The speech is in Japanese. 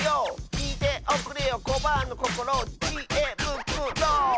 「きいておくれよコバアのこころ」「チ・エ・ブ・ク・ロ！」